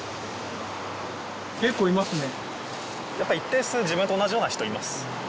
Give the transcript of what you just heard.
結構いますね。